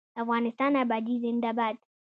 د افغانستان ابادي زنده باد.